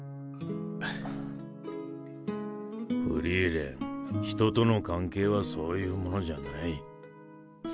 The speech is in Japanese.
フフリーレン人との関係はそういうものだよ